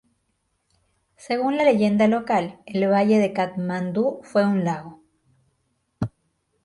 Según la leyenda local, el Valle de Katmandú fue un lago.